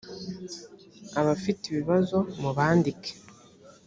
abafite ibibazo mubandike.